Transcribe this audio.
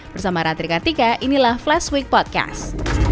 bersama ratrika tika inilah flash week podcast